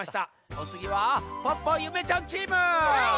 おつぎはポッポゆめちゃんチーム。